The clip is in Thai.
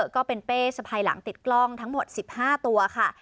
ก็เป็นเป้สะพายหลังติดกล้องทั้งหมด๑๕ตัวค่ะ